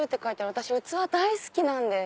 私器大好きなんです。